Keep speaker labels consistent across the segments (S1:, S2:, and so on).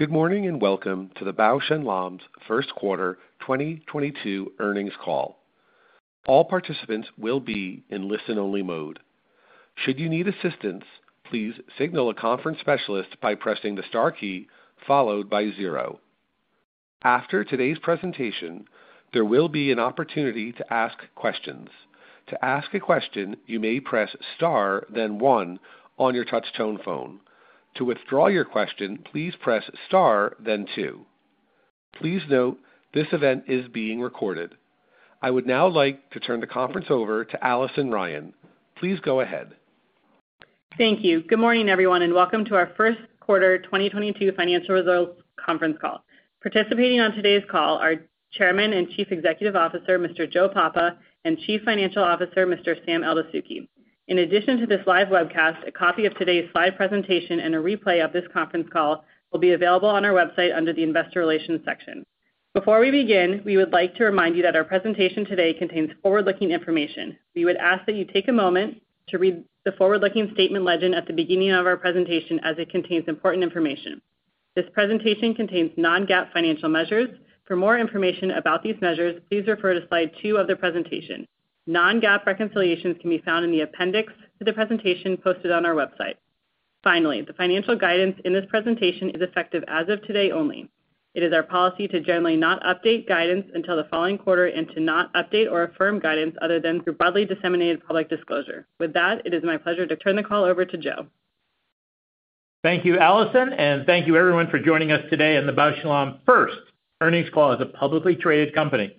S1: Good morning, and welcome to the Bausch + Lomb first quarter 2022 earnings call. All participants will be in listen-only mode. Should you need assistance, please signal a conference specialist by pressing the star key followed by zero. After today's presentation, there will be an opportunity to ask questions. To ask a question, you may press star then one on your touch tone phone. To withdraw your question, please press star then two. Please note, this event is being recorded. I would now like to turn the conference over to Allison Ryan. Please go ahead.
S2: Thank you. Good morning, everyone, and welcome to our first quarter 2022 financial results conference call. Participating on today's call are Chairman and Chief Executive Officer, Mr. Joe Papa, and Chief Financial Officer, Mr. Sam Eldessouky. In addition to this live webcast, a copy of today's slide presentation and a replay of this conference call will be available on our website under the Investor Relations section. Before we begin, we would like to remind you that our presentation today contains forward-looking information. We would ask that you take a moment to read the forward-looking statement legend at the beginning of our presentation as it contains important information. This presentation contains non-GAAP financial measures. For more information about these measures, please refer to slide 2 of the presentation. Non-GAAP reconciliations can be found in the appendix to the presentation posted on our website. Finally, the financial guidance in this presentation is effective as of today only. It is our policy to generally not update guidance until the following quarter and to not update or affirm guidance other than through broadly disseminated public disclosure. With that, it is my pleasure to turn the call over to Joe.
S3: Thank you, Allison, and thank you everyone for joining us today in the Bausch + Lomb first earnings call as a publicly traded company.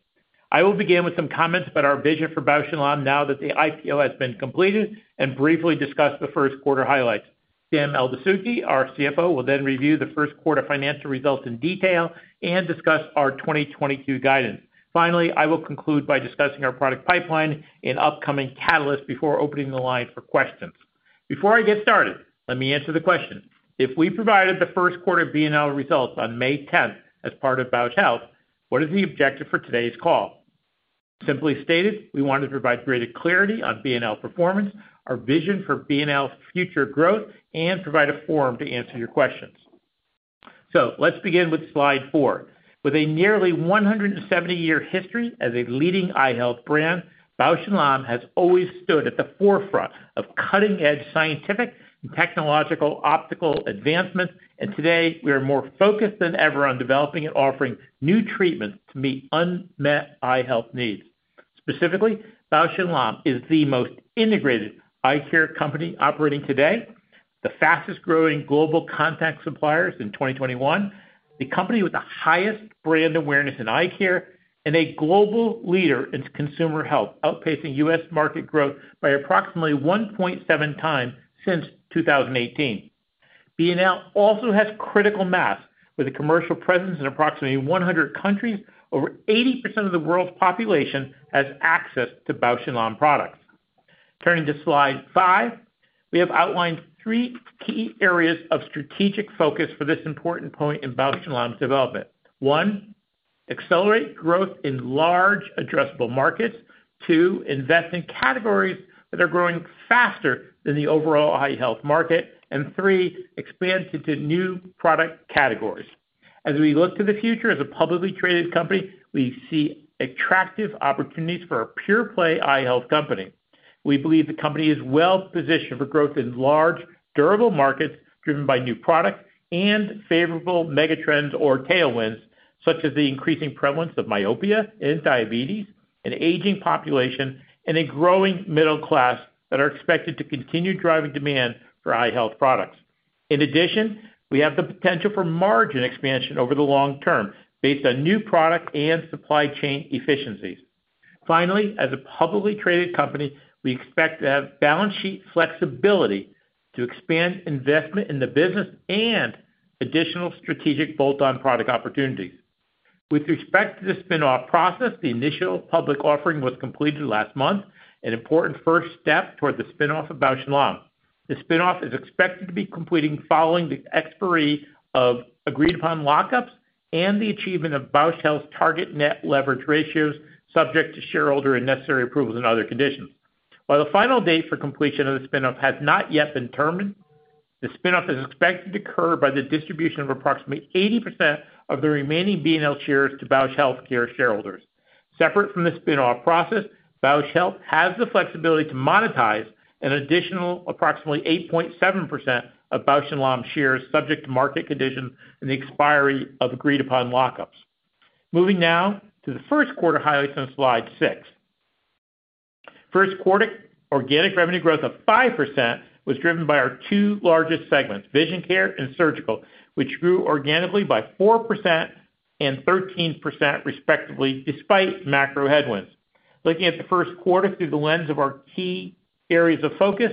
S3: I will begin with some comments about our vision for Bausch + Lomb now that the IPO has been completed and briefly discuss the first quarter highlights. Sam Eldessouky, our CFO, will then review the first quarter financial results in detail and discuss our 2022 guidance. Finally, I will conclude by discussing our product pipeline and upcoming catalyst before opening the line for questions. Before I get started, let me answer the question. If we provided the first quarter B&L results on May tenth as part of Bausch Health, what is the objective for today's call? Simply stated, we wanted to provide greater clarity on B&L performance, our vision for B&L's future growth, and provide a forum to answer your questions. Let's begin with slide 4. With a nearly 170-year history as a leading eye health brand, Bausch + Lomb has always stood at the forefront of cutting-edge scientific and technological optical advancements. Today, we are more focused than ever on developing and offering new treatments to meet unmet eye health needs. Specifically, Bausch + Lomb is the most integrated eye care company operating today, the fastest-growing global contact suppliers in 2021, the company with the highest brand awareness in eye care, and a global leader in consumer health, outpacing US market growth by approximately 1.7 times since 2018. B&L also has critical mass with a commercial presence in approximately 100 countries. Over 80% of the world's population has access to Bausch + Lomb products. Turning to slide 5. We have outlined three key areas of strategic focus for this important point in Bausch + Lomb's development. One, accelerate growth in large addressable markets. Two, invest in categories that are growing faster than the overall eye health market. Three, expand into new product categories. As we look to the future as a publicly traded company, we see attractive opportunities for a pure play eye health company. We believe the company is well-positioned for growth in large, durable markets driven by new product and favorable megatrends or tailwinds, such as the increasing prevalence of myopia and diabetes, an aging population, and a growing middle class that are expected to continue driving demand for eye health products. In addition, we have the potential for margin expansion over the long term based on new product and supply chain efficiencies. Finally, as a publicly traded company, we expect to have balance sheet flexibility to expand investment in the business and additional strategic bolt-on product opportunities. With respect to the spin-off process, the initial public offering was completed last month, an important first step toward the spin-off of Bausch + Lomb. The spin-off is expected to be completing following the expiry of agreed-upon lockups and the achievement of Bausch Health's target net leverage ratios subject to shareholder and necessary approvals and other conditions. While the final date for completion of the spin-off has not yet been determined, the spin-off is expected to occur by the distribution of approximately 80% of the remaining B&L shares to Bausch Health shareholders. Separate from the spin-off process, Bausch Health has the flexibility to monetize an additional approximately 8.7% of Bausch + Lomb shares subject to market conditions and the expiry of agreed upon lockups. Moving now to the first quarter highlights on slide 6. First quarter organic revenue growth of 5% was driven by our two largest segments, vision care and surgical, which grew organically by 4% and 13% respectively, despite macro headwinds. Looking at the first quarter through the lens of our key areas of focus,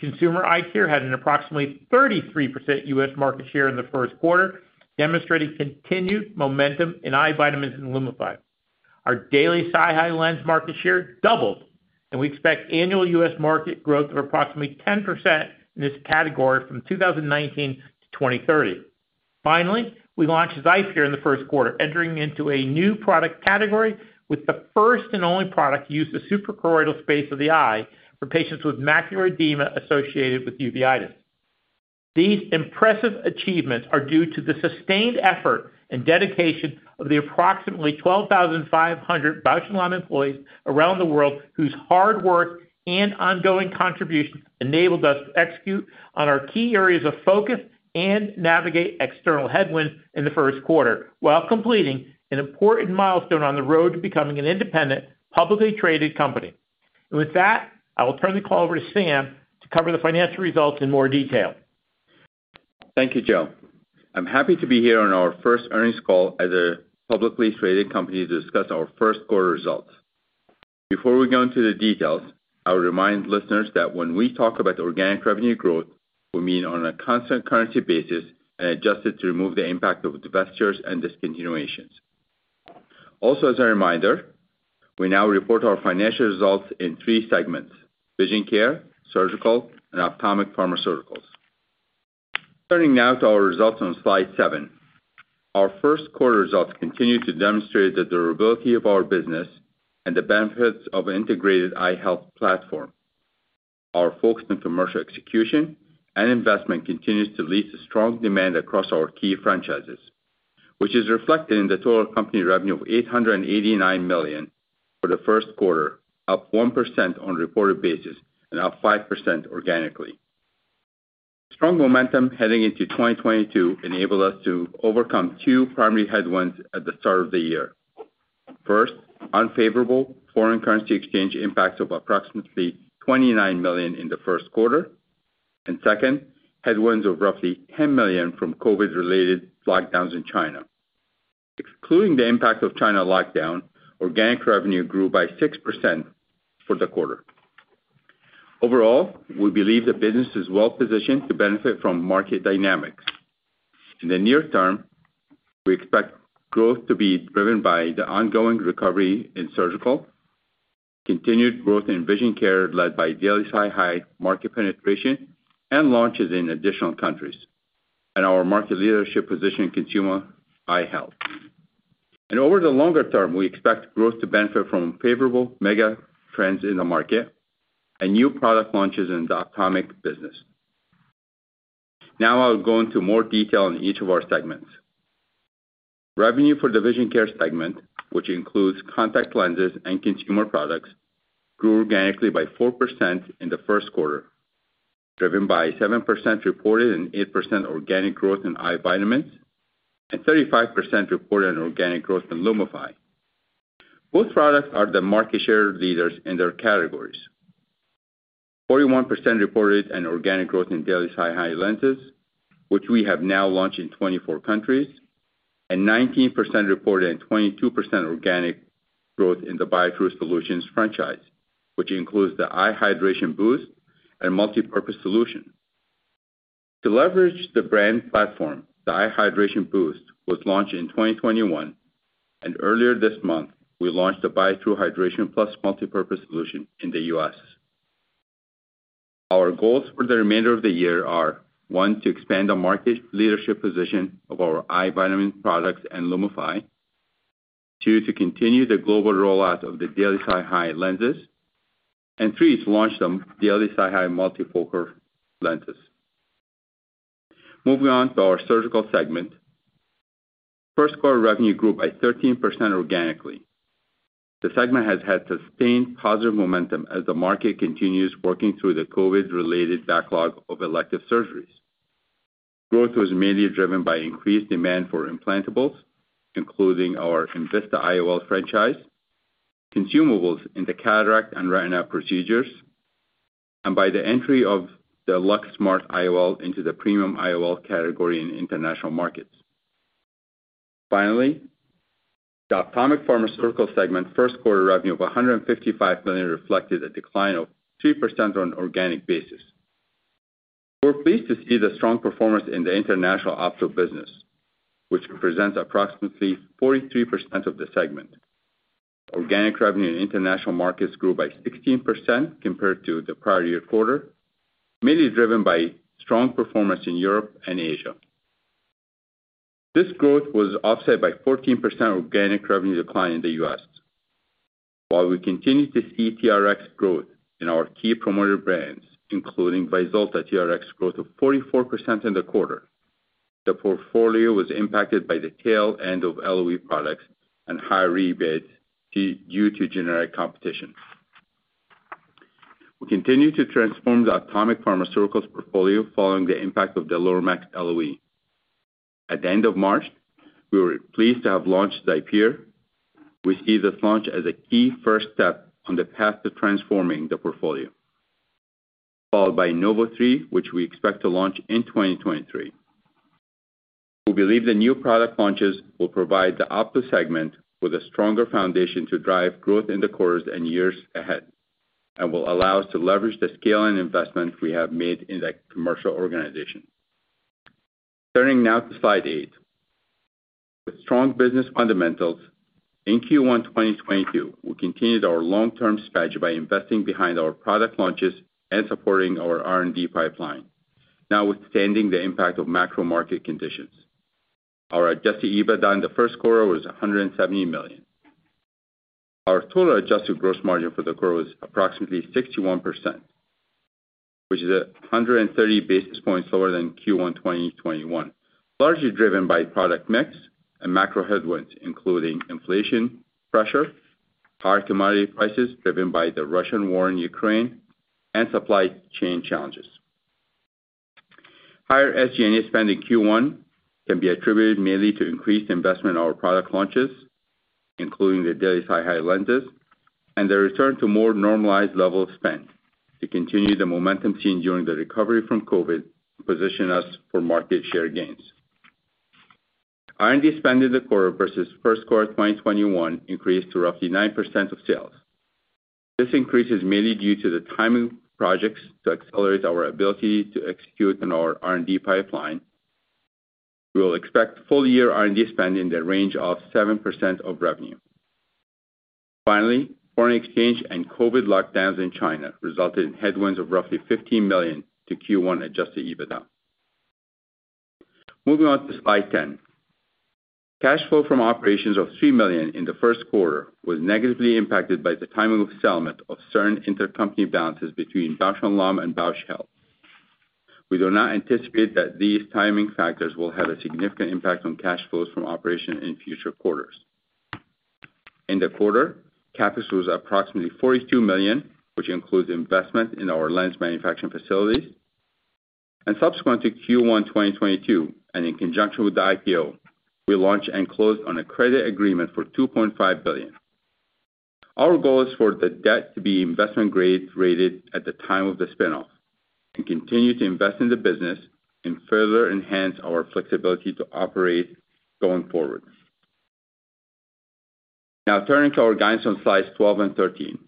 S3: consumer eye care had an approximately 33% U.S. market share in the first quarter, demonstrating continued momentum in eye vitamins and LUMIFY. Our daily lens market share doubled, and we expect annual U.S. market growth of approximately 10% in this category from 2019 to 2030. Finally, we launched XIPERE here in the first quarter, entering into a new product category with the first and only product used the suprachoroidal space of the eye for patients with macular edema associated with uveitis. These impressive achievements are due to the sustained effort and dedication of the approximately 12,500 Bausch + Lomb employees around the world whose hard work and ongoing contributions enabled us to execute on our key areas of focus and navigate external headwinds in the first quarter while completing an important milestone on the road to becoming an independent, publicly traded company. With that, I will turn the call over to Sam to cover the financial results in more detail.
S4: Thank you, Joe. I'm happy to be here on our first earnings call as a publicly traded company to discuss our first quarter results. Before we go into the details, I would remind listeners that when we talk about organic revenue growth, we mean on a constant currency basis and adjusted to remove the impact of divestitures and discontinuations. Also, as a reminder, we now report our financial results in three segments, vision care, surgical, and ophthalmic pharmaceuticals. Turning now to our results on slide 7. Our first quarter results continue to demonstrate the durability of our business and the benefits of integrated eye health platform. Our focus on commercial execution and investment continues to lead to strong demand across our key franchises, which is reflected in the total company revenue of $889 million for the first quarter, up 1% on a reported basis and up 5% organically. Strong momentum heading into 2022 enabled us to overcome two primary headwinds at the start of the year. First, unfavorable foreign currency exchange impacts of approximately $29 million in the first quarter. Second, headwinds of roughly $10 million from COVID-related lockdowns in China. Excluding the impact of China lockdown, organic revenue grew by 6% for the quarter. Overall, we believe the business is well-positioned to benefit from market dynamics. In the near term, we expect growth to be driven by the ongoing recovery in surgical, continued growth in vision care, led by daily SiHy market penetration and launches in additional countries, and our market leadership position in consumer eye health. Over the longer term, we expect growth to benefit from favorable mega trends in the market and new product launches in the ophthalmic business. Now I'll go into more detail on each of our segments. Revenue for the vision care segment, which includes contact lenses and consumer products, grew organically by 4% in the first quarter, driven by 7% reported and 8% organic growth in eye vitamins and 35% reported and organic growth in LUMIFY. Both products are the market share leaders in their categories. 41% reported and organic growth in daily SiHy lenses, which we have now launched in 24 countries, and 19% reported and 22% organic growth in the Biotrue Solutions franchise, which includes the Biotrue Hydration Boost and Multipurpose Solution. To leverage the brand platform, the Biotrue Hydration Boost was launched in 2021, and earlier this month, we launched the Biotrue Hydration Plus Multi-Purpose Solution in the U.S. Our goals for the remainder of the year are, one, to expand the market leadership position of our eye vitamin products and LUMIFY. Two, to continue the global rollout of the daily SiHy lenses. Three, to launch the daily SiHy multifocal lenses. Moving on to our surgical segment. First quarter revenue grew by 13% organically. The segment has had sustained positive momentum as the market continues working through the COVID-related backlog of elective surgeries. Growth was mainly driven by increased demand for implantables, including our enVista IOL franchise, consumables in the cataract and retina procedures, and by the entry of the LuxSmart IOL into the premium IOL category in international markets. Finally, the ophthalmic pharmaceutical segment first quarter revenue of $155 million reflected a decline of 3% on organic basis. We're pleased to see the strong performance in the international ophtho business, which represents approximately 43% of the segment. Organic revenue in international markets grew by 16% compared to the prior year quarter, mainly driven by strong performance in Europe and Asia. This growth was offset by 14% organic revenue decline in the US. While we continue to see TRX growth in our key promoted brands, including VYZULTA TRX growth of 44% in the quarter, the portfolio was impacted by the tail end of LOE products and high rebates due to generic competition. We continue to transform the ophthalmic pharmaceuticals portfolio following the impact of LOTEMAX LOE. At the end of March, we were pleased to have launched XIPERE. We see this launch as a key first step on the path to transforming the portfolio. Followed by NOV03, which we expect to launch in 2023. We believe the new product launches will provide the ophthalmic segment with a stronger foundation to drive growth in the quarters and years ahead, and will allow us to leverage the scale and investment we have made in the commercial organization. Turning now to slide 8. With strong business fundamentals, in Q1 2022, we continued our long-term strategy by investing behind our product launches and supporting our R&D pipeline, notwithstanding the impact of macro market conditions. Our adjusted EBITDA in the first quarter was $170 million. Our total adjusted gross margin for the quarter was approximately 61%, which is 130 basis points lower than Q1 2021, largely driven by product mix and macro headwinds, including inflation pressure, higher commodity prices driven by the Russian war in Ukraine, and supply chain challenges. Higher SG&A spend in Q1 can be attributed mainly to increased investment in our product launches, including the daily SiHy lenses, and the return to more normalized level spend to continue the momentum seen during the recovery from COVID to position us for market share gains. R&D spend in the quarter versus first quarter 2021 increased to roughly 9% of sales. This increase is mainly due to the timing of projects to accelerate our ability to execute on our R&D pipeline. We will expect full-year R&D spend in the range of 7% of revenue. Finally, foreign exchange and COVID lockdowns in China resulted in headwinds of roughly $15 million to Q1 adjusted EBITDA. Moving on to slide 10. Cash flow from operations of $3 million in the first quarter was negatively impacted by the timing of settlement of certain intercompany balances between Bausch + Lomb and Bausch Health. We do not anticipate that these timing factors will have a significant impact on cash flows from operations in future quarters. In the quarter, CapEx was approximately $42 million, which includes investment in our lens manufacturing facilities. Subsequent to Q1 2022, and in conjunction with the IPO, we launched and closed on a credit agreement for $2.5 billion. Our goal is for the debt to be investment-grade rated at the time of the spinoff and continue to invest in the business and further enhance our flexibility to operate going forward. Now turning to our guidance on slides 12 and 13.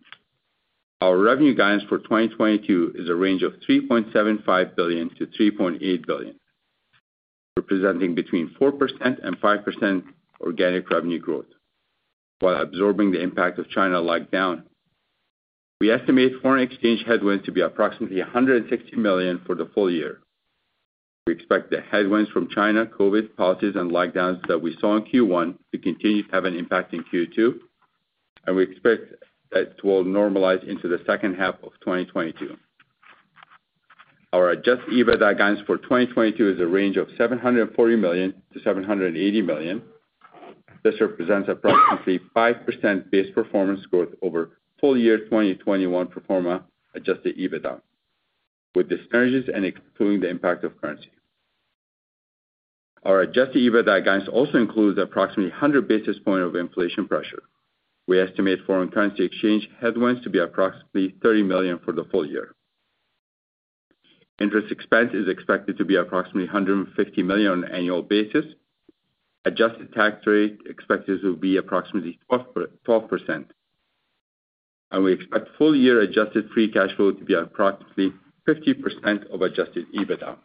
S4: Our revenue guidance for 2022 is a range of $3.75 billion-$3.8 billion, representing between 4% and 5% organic revenue growth, while absorbing the impact of China lockdown. We estimate foreign exchange headwinds to be approximately $160 million for the full year. We expect the headwinds from China COVID policies and lockdowns that we saw in Q1 to continue to have an impact in Q2, and we expect that it will normalize into the second half of 2022. Our adjusted EBITDA guidance for 2022 is a range of $740 million-$780 million. This represents approximately 5% base performance growth over full year 2021 pro forma adjusted EBITDA, with acquisitions and excluding the impact of currency. Our adjusted EBITDA guidance also includes approximately 100 basis points of inflation pressure. We estimate foreign currency exchange headwinds to be approximately $30 million for the full year. Interest expense is expected to be approximately $150 million on an annual basis. Adjusted tax rate expected to be approximately 12%. We expect full-year adjusted free cash flow to be approximately 50% of adjusted EBITDA.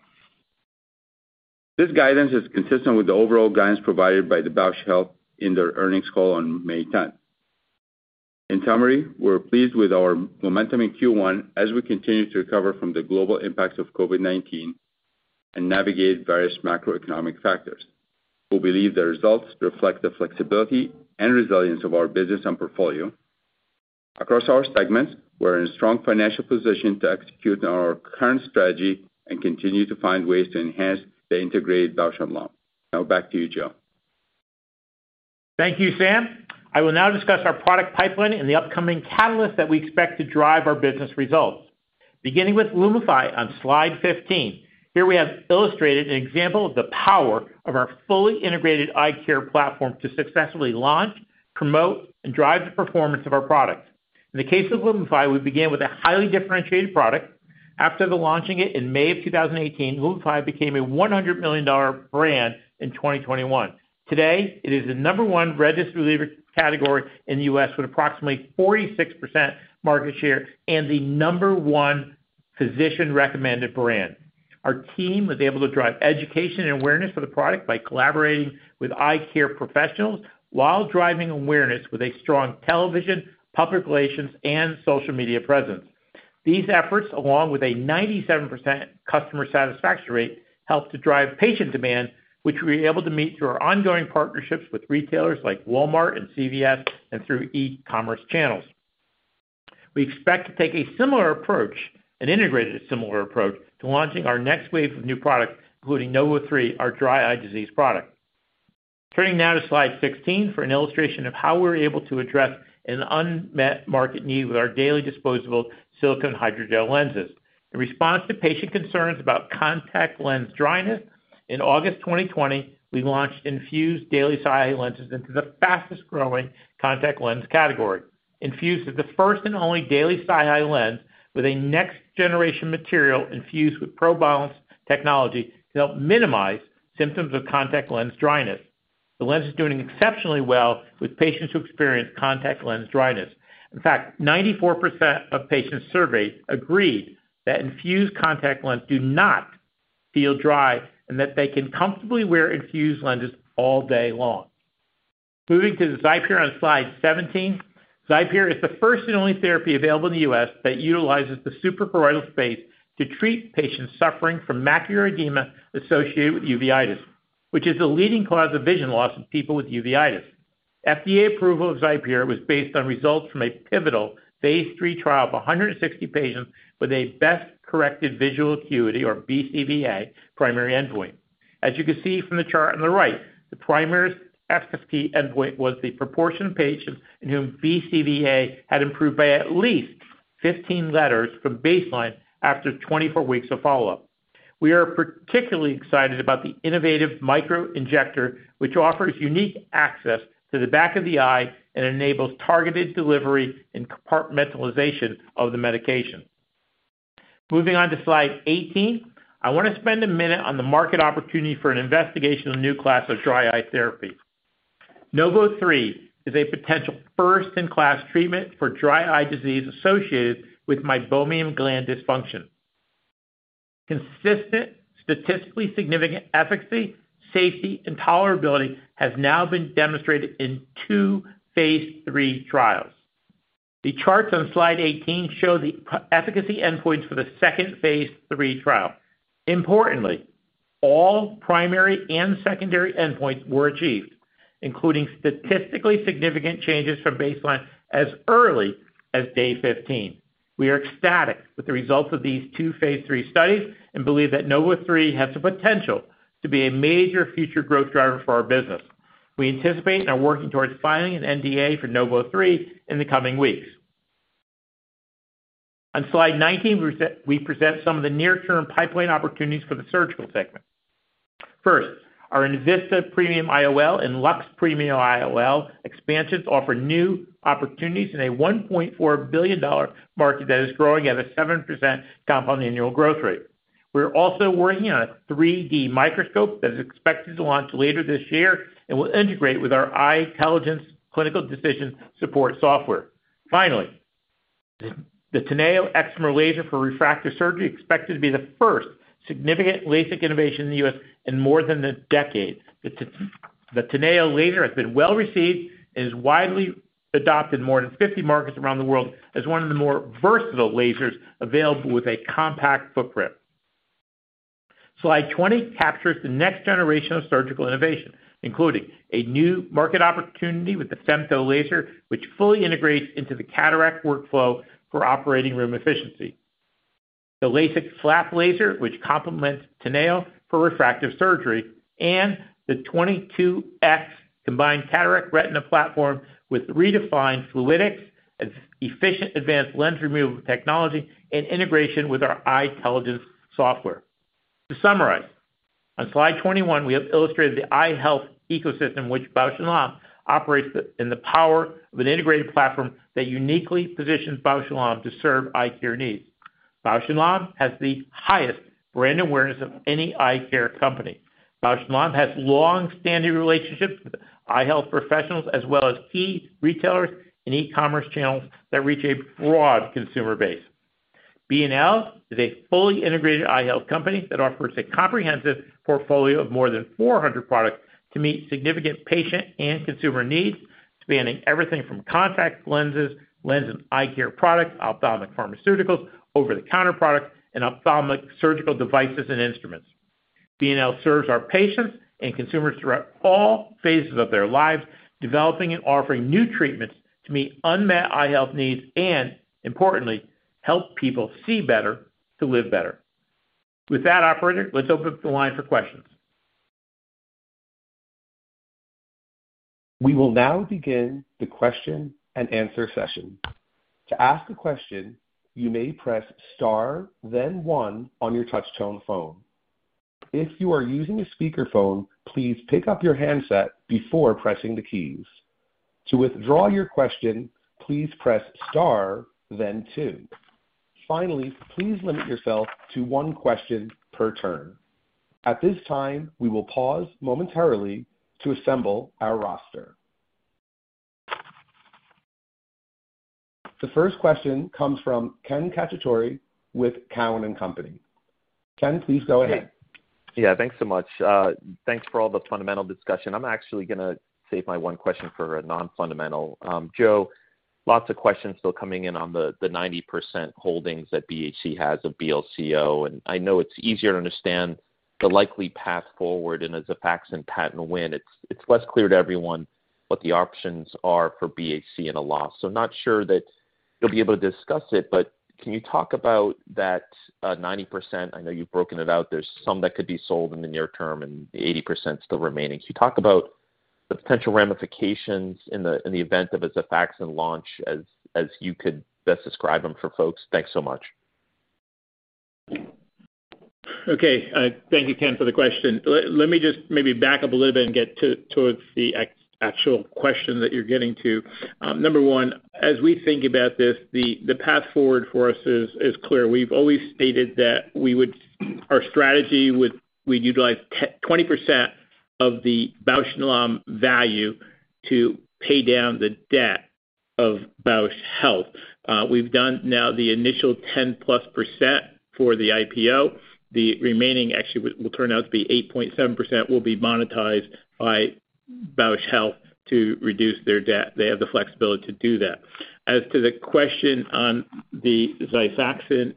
S4: This guidance is consistent with the overall guidance provided by Bausch Health in their earnings call on May tenth. In summary, we're pleased with our momentum in Q1 as we continue to recover from the global impacts of COVID-19 and navigate various macroeconomic factors. We believe the results reflect the flexibility and resilience of our business and portfolio. Across our segments, we're in a strong financial position to execute on our current strategy and continue to find ways to enhance the integrated Bausch + Lomb. Now back to you, Joe.
S3: Thank you, Sam. I will now discuss our product pipeline and the upcoming catalysts that we expect to drive our business results. Beginning with LUMIFY on slide 15. Here we have illustrated an example of the power of our fully integrated eye care platform to successfully launch, promote, and drive the performance of our products. In the case of LUMIFY, we began with a highly differentiated product. After launching it in May 2018, LUMIFY became a $100 million brand in 2021. Today, it is the number one redness reliever category in the U.S., with approximately 46% market share and the number one physician-recommended brand. Our team was able to drive education and awareness of the product by collaborating with eye care professionals while driving awareness with a strong television, public relations, and social media presence. These efforts, along with a 97% customer satisfaction rate, helped to drive patient demand, which we were able to meet through our ongoing partnerships with retailers like Walmart and CVS and through e-commerce channels. We expect to take an integrated similar approach to launching our next wave of new products, including NOV03, our dry eye disease product. Turning now to slide 16 for an illustration of how we're able to address an unmet market need with our daily disposable silicone hydrogel lenses. In response to patient concerns about contact lens dryness, in August 2020, we launched INFUSE daily SiHy lenses into the fastest-growing contact lens category. INFUSE is the first and only daily SiHy lens with a next generation material infused with ProBalance Technology to help minimize symptoms of contact lens dryness. The lens is doing exceptionally well with patients who experience contact lens dryness. In fact, 94% of patients surveyed agreed that INFUSE contact lenses do not feel dry, and that they can comfortably wear INFUSE lenses all day long. Moving to the XIPERE on slide 17. XIPERE is the first and only therapy available in the U.S. that utilizes the suprachoroidal space to treat patients suffering from macular edema associated with uveitis, which is the leading cause of vision loss in people with uveitis. FDA approval of XIPERE was based on results from a pivotal phase III trial of 160 patients with a best corrected visual acuity or BCVA primary endpoint. As you can see from the chart on the right, the primary efficacy endpoint was the proportion of patients in whom BCVA had improved by at least 15 letters from baseline after 24 weeks of follow-up. We are particularly excited about the innovative micro injector, which offers unique access to the back of the eye and enables targeted delivery and compartmentalization of the medication. Moving on to slide 18. I want to spend a minute on the market opportunity for an investigational new class of dry eye therapy. NOV03 is a potential first in class treatment for dry eye disease associated with meibomian gland dysfunction. Consistent, statistically significant efficacy, safety, and tolerability has now been demonstrated in two phase III trials. The charts on slide 18 show the efficacy endpoints for the second phase III trial. Importantly, all primary and secondary endpoints were achieved, including statistically significant changes from baseline as early as day 15. We are ecstatic with the results of these two phase III studies and believe that NOV03 has the potential to be a major future growth driver for our business. We anticipate and are working towards filing an NDA for NOV03 in the coming weeks. On slide 19, we present some of the near-term pipeline opportunities for the surgical segment. First, our enVista premium IOLs and LuxSmart premium IOL expansions offer new opportunities in a $1.4 billion market that is growing at a 7% compound annual growth rate. We're also working on a SeeLuma 3D that is expected to launch later this year and will integrate with our eyeTELLIGENCE clinical decision support software. Finally, the TENEO Excimer Laser for refractive surgery is expected to be the first significant LASIK innovation in the U.S. in more than a decade. The TENEO laser has been well received and is widely adopted in more than 50 markets around the world as one of the more versatile lasers available with a compact footprint. Slide 20 captures the next generation of surgical innovation, including a new market opportunity with the femtosecond laser, which fully integrates into the cataract workflow for operating room efficiency. The LASIK flap laser, which complements TENEO for refractive surgery, and the 22X combined cataract retina platform with redefined fluidics, efficient advanced lens removal technology, and integration with our eyeTELLIGENCE software. To summarize, on slide 21, we have illustrated the eye health ecosystem which Bausch + Lomb operates in. The power of an integrated platform that uniquely positions Bausch + Lomb to serve eye care needs. Bausch + Lomb has the highest brand awareness of any eye care company. Bausch + Lomb has long-standing relationships with eye health professionals as well as key retailers and e-commerce channels that reach a broad consumer base. B&L is a fully integrated eye health company that offers a comprehensive portfolio of more than 400 products to meet significant patient and consumer needs, spanning everything from contact lenses, lens and eye care products, ophthalmic pharmaceuticals, over-the-counter products, and ophthalmic surgical devices and instruments. B&L serves our patients and consumers throughout all phases of their lives, developing and offering new treatments to meet unmet eye health needs and, importantly, help people see better to live better. With that, operator, let's open up the line for questions.
S1: We will now begin the question and answer session. To ask a question, you may press Star, then one on your touchtone phone. If you are using a speakerphone, please pick up your handset before pressing the keys. To withdraw your question, please press Star, then two. Finally, please limit yourself to one question per turn. At this time, we will pause momentarily to assemble our roster. The first question comes from Ken Cacciatore with Cowen and Company. Ken, please go ahead.
S5: Yeah, thanks so much. Thanks for all the fundamental discussion. I'm actually gonna save my one question for a non-fundamental. Joe, lots of questions still coming in on the 90% holdings that BHC has of BLCO. I know it's easier to understand the likely path forward in a XIFAXAN patent win. It's less clear to everyone what the options are for BHC in a loss. I'm not sure that you'll be able to discuss it, but can you talk about that 90%? I know you've broken it out. There's some that could be sold in the near term and 80% still remaining. Can you talk about the potential ramifications in the event of a XIFAXAN launch as you could best describe them for folks? Thanks so much. Okay. Thank you, Ken, for the question. Let me just maybe back up a little bit and get towards the actual question that you're getting to. Number one, as we think about this, the path forward for us is clear. We've always stated that we'd utilize 20% of the Bausch + Lomb value to pay down the debt of Bausch Health. We've done now the initial 10-plus percent for the IPO. The remaining actually will turn out to be 8.7% will be monetized by Bausch Health to reduce their debt. They have the flexibility to do that. As to the question on the XIFAXANJust to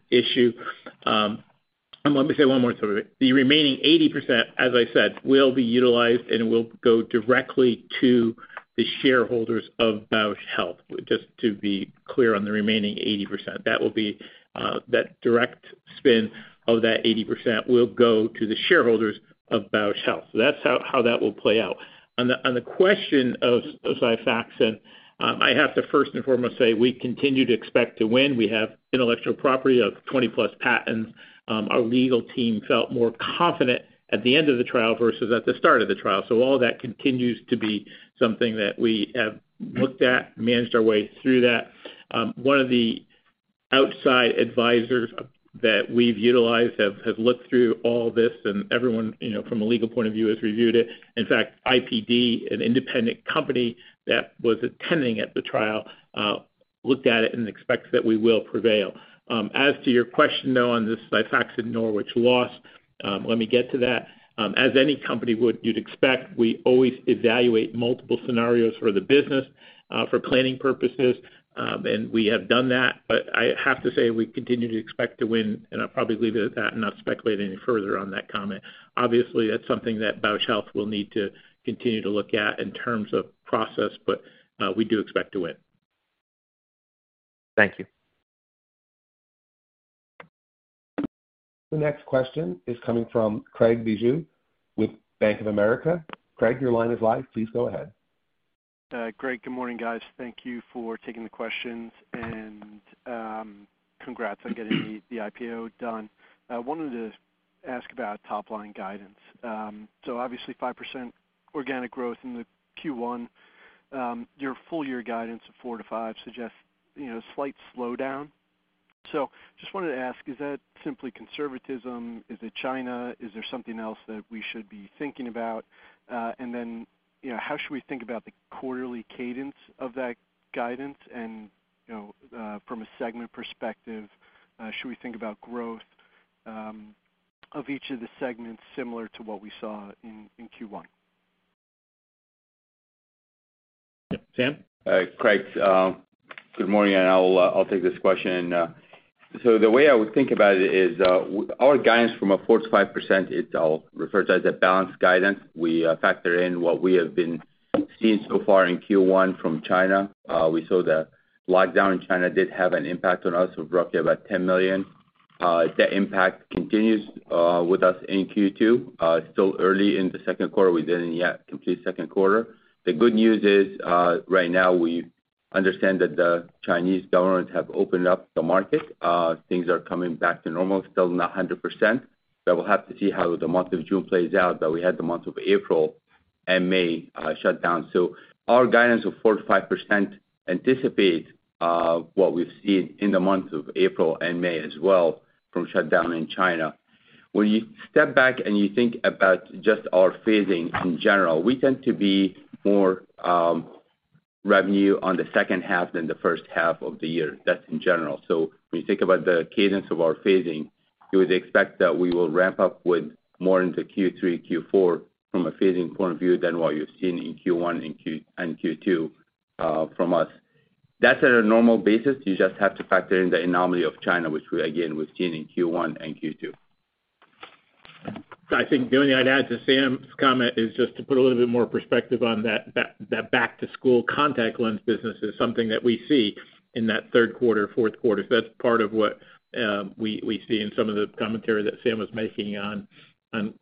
S5: be clear on the remaining 80%, that will be that direct spin of that 80% will go to the shareholders of Bausch Health. That's how that will play out. On the question of XIFAXAN
S3: In fact, IPD, an independent company that was attending at the trial, looked at it and expects that we will prevail. As to your question, though, on this XIFAXAN Norwich loss, let me get to that. As any company would you'd expect, we always evaluate multiple scenarios for the business, for planning purposes, and we have done that. I have to say we continue to expect to win, and I'll probably leave it at that and not speculate any further on that comment. Obviously, that's something that Bausch Health will need to continue to look at in terms of process, but we do expect to win.
S5: Thank you.
S1: The next question is coming from Craig Bijou with Bank of America. Craig, your line is live. Please go ahead. Craig, good morning, guys. Thank you for taking the questions and, congrats on getting the IPO done. I wanted to ask about top-line guidance. Obviously 5% organic growth in the Q1. Your full year guidance of 4%-5% suggests, you know, slight slowdown. Just wanted to ask, is that simply conservatism? Is it China? Is there something else that we should be thinking about? You know, how should we think about the quarterly cadence of that guidance and, you know, from a segment perspective, should we think about growth of each of the segments similar to what we saw in Q1?
S3: Sam?
S4: Craig, good morning, and I'll take this question. The way I would think about it is, our guidance from a 4%-5%, it's all referred to as a balanced guidance. We factor in what we have been seeing so far in Q1 from China. We saw the lockdown in China did have an impact on us of roughly about $10 million. If that impact continues with us in Q2, still early in the second quarter, we didn't yet complete second quarter. The good news is, right now we understand that the Chinese government have opened up the market. Things are coming back to normal. Still not 100%, but we'll have to see how the month of June plays out, that we had the month of April and May shut down. Our guidance of 4%-5% anticipates what we've seen in the month of April and May as well from shutdown in China. When you step back and you think about just our phasing in general, we tend to be more revenue on the second half than the first half of the year. That's in general. When you think about the cadence of our phasing, you would expect that we will ramp up with more into Q3, Q4 from a phasing point of view than what you've seen in Q1 and Q2 from us. That's at a normal basis. You just have to factor in the anomaly of China, which again we've seen in Q1 and Q2.
S3: I think the only I'd add to Sam's comment is just to put a little bit more perspective on that back-to-school contact lens business is something that we see in that third quarter, fourth quarter. That's part of what we see in some of the commentary that Sam was making on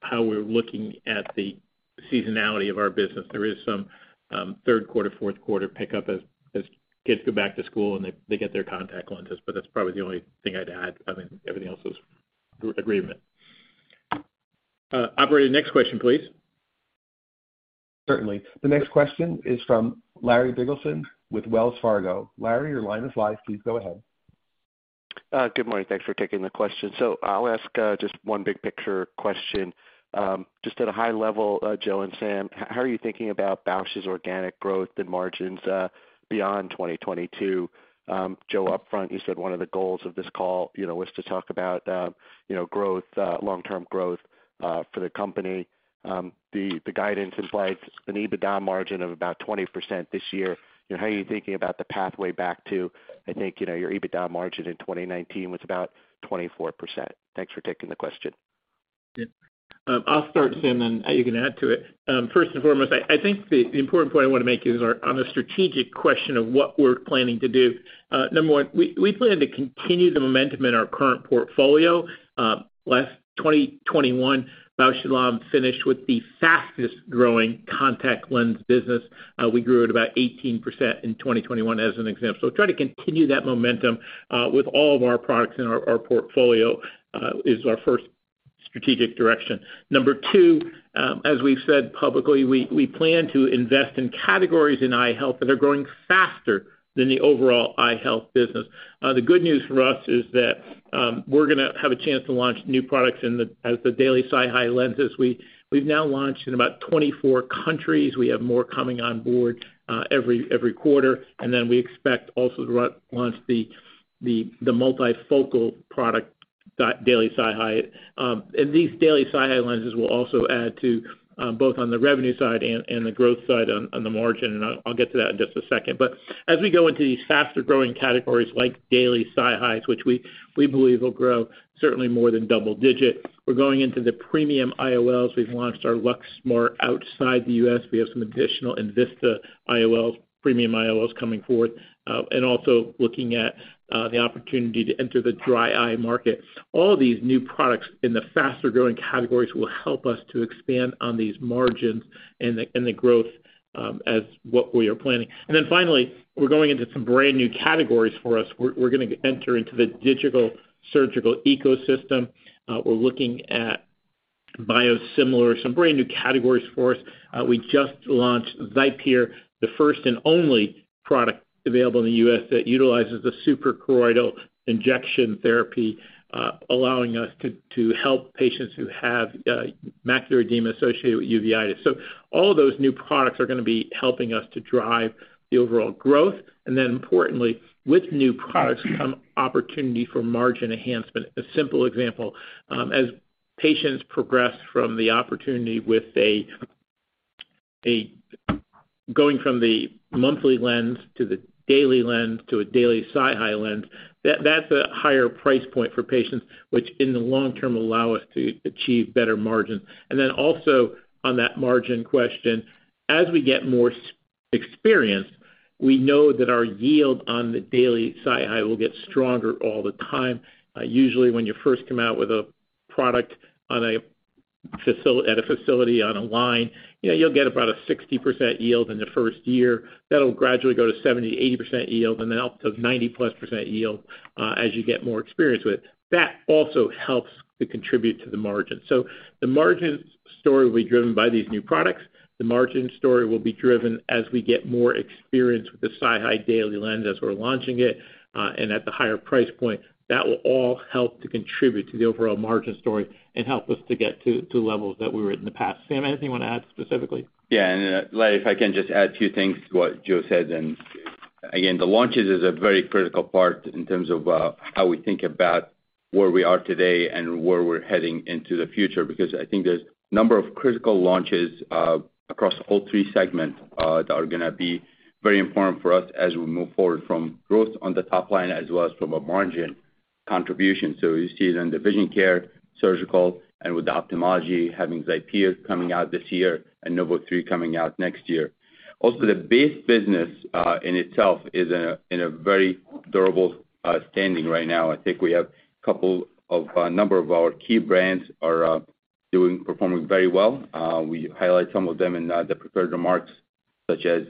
S3: how we're looking at the seasonality of our business. There is some third quarter, fourth quarter pickup as kids go back to school, and they get their contact lenses, but that's probably the only thing I'd add. I mean, everything else was agreement. Operator, next question, please.
S1: Certainly. The next question is from Larry Biegelsen with Wells Fargo. Larry, your line is live. Please go ahead. Good morning. Thanks for taking the question. I'll ask just one big picture question. Just at a high level, Joe and Sam, how are you thinking about Bausch's organic growth and margins beyond 2022? Joe, upfront, you said one of the goals of this call, you know, was to talk about, you know, growth, long-term growth for the company. The guidance implies an EBITDA margin of about 20% this year. You know, how are you thinking about the pathway back to, I think, you know, your EBITDA margin in 2019 was about 24%. Thanks for taking the question.
S3: I'll start, Sam, and you can add to it. First and foremost, I think the important point I want to make is on a strategic question of what we're planning to do. Number one, we plan to continue the momentum in our current portfolio. Last 2021, Bausch + Lomb finished with the fastest-growing contact lens business. We grew at about 18% in 2021 as an example. Try to continue that momentum with all of our products in our portfolio is our first strategic direction. Number two, as we've said publicly, we plan to invest in categories in eye health that are growing faster than the overall eye health business. The good news for us is that we're gonna have a chance to launch new products as the daily SiHy lenses. We've now launched in about 24 countries. We have more coming on board every quarter. We expect also to launch the multifocal product that daily SiHy. These daily SiHy lenses will also add to both on the revenue side and the growth side on the margin. I'll get to that in just a second. As we go into these faster-growing categories like daily SiHy, which we believe will grow certainly more than double digit, we're going into the premium IOLs. We've launched our LuxSmart outside the U.S. We have some additional enVista IOL, premium IOLs coming forward, and also looking at the opportunity to enter the dry eye market. All these new products in the faster-growing categories will help us to expand on these margins and the growth as what we are planning. Finally, we're going into some brand new categories for us. We're gonna enter into the digital surgical ecosystem. We're looking at biosimilars, some brand new categories for us. We just launched XIPERE, the first and only product available in the U.S. that utilizes the suprachoroidal injection therapy, allowing us to help patients who have macular edema associated with uveitis. All those new products are gonna be helping us to drive the overall growth. Importantly, with new products come opportunity for margin enhancement. A simple example, as patients progress from the opportunity with going from the monthly lens to the daily lens to a daily SiHy lens, that's a higher price point for patients, which in the long term allow us to achieve better margins. Also on that margin question, as we get more experience, we know that our yield on the daily SiHy will get stronger all the time. Usually when you first come out with a product on a facility on a line, you know, you'll get about a 60% yield in the first year. That'll gradually go to 70%, 80% yield, and then up to 90%+ yield, as you get more experience with it. That also helps to contribute to the margin. The margin story will be driven by these new products. The margin story will be driven as we get more experience with the SiHy daily lens as we're launching it, and at the higher price point. That will all help to contribute to the overall margin story and help us to get to levels that we were in the past. Sam, anything you wanna add specifically?
S4: Yeah. Then Larry, if I can just add two things to what Joe said. Again, the launches is a very critical part in terms of how we think about where we are today and where we're heading into the future, because I think there's number of critical launches across all three segments that are gonna be very important for us as we move forward from growth on the top line as well as from a margin contribution. You see it in the vision care, surgical, and with the ophthalmology having XIPERE coming out this year and NOV03 coming out next year. The base business in itself is in a very durable standing right now. I think we have number of our key brands are performing very well. We highlight some of them in the prepared remarks, such as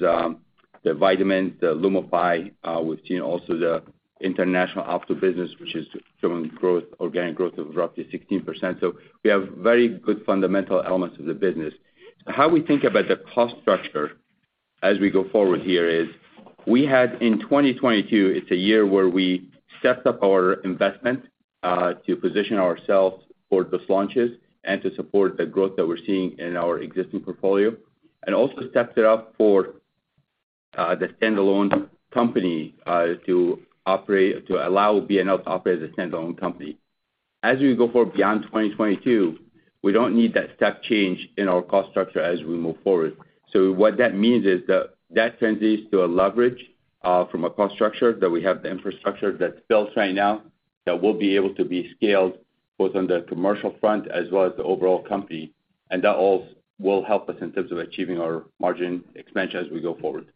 S4: the vitamins, the LUMIFY, we've seen also the international opto business, which is showing growth, organic growth of roughly 16%. We have very good fundamental elements of the business. How we think about the cost structure as we go forward here is we had in 2022, it's a year where we stepped up our investment to position ourselves for those launches and to support the growth that we're seeing in our existing portfolio. Also stepped it up for the standalone company to allow B&L to operate as a standalone company. As we go forward beyond 2022, we don't need that step change in our cost structure as we move forward. What that means is that that translates to a leverage from a cost structure that we have the infrastructure that's built right now that will be able to be scaled both on the commercial front as well as the overall company. That all will help us in terms of achieving our margin expansion as we go forward.